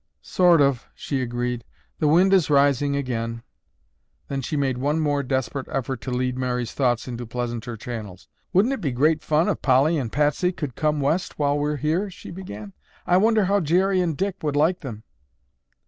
"Sort of," she agreed. "The wind is rising again." Then she made one more desperate effort to lead Mary's thoughts into pleasanter channels. "Wouldn't it be great fun if Polly and Patsy could come West while we're here?" she began. "I wonder how Jerry and Dick would like them."